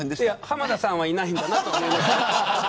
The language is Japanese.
浜田さんはいないんだなと思いました。